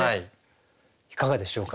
いかがでしょうか？